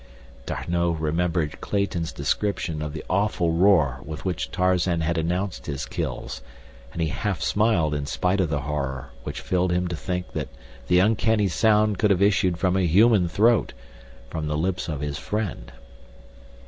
D'Arnot remembered Clayton's description of the awful roar with which Tarzan had announced his kills, and he half smiled in spite of the horror which filled him to think that the uncanny sound could have issued from a human throat—from the lips of his friend.